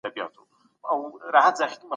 ترڅو فابریکې فعالې پاتې شي.